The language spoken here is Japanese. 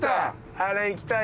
あれ行きたいよ。